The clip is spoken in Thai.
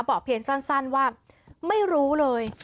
บอกเพียงสั้นว่าไม่รู้เลย